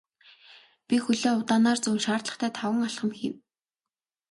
Би хөлөө удаанаар зөөн шаардлагатай таван алхам хийв.